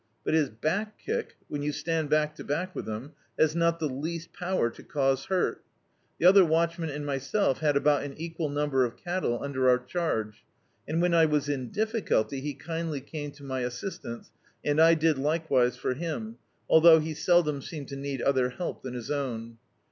But his back kick, when you stand back to back with him, has not the least power to cause hurt. The other watchman and myself had about an equal number of cattle under our charge, and when I was in difficulty he kindly came to my assistance, and I did likewise for him, althou^ he seldom seemed to need other help than his own.